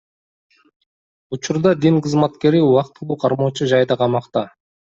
Учурда дин кызматкери убактылуу кармоочу жайда камакта.